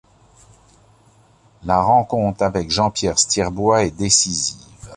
La rencontre avec Jean-Pierre Stirbois est décisive.